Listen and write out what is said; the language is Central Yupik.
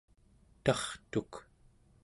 tartuk